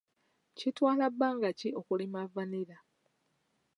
Kitwala bbanga ki okulima vanilla?